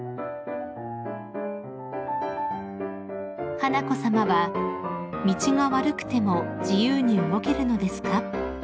［華子さまは「道が悪くても自由に動けるのですか？」